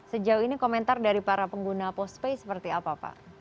sejauh ini komentar dari para pengguna postpay seperti apa pak